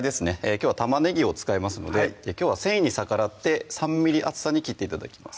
きょうは玉ねぎを使いますのできょうは繊維に逆らって３ｍｍ厚さに切って頂きます